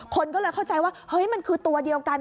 คนก็เลยเข้าใจว่าเฮ้ยมันคือตัวเดียวกัน